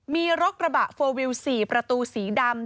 มีรถกระบะโฟลวิว๔ประตูสีดำ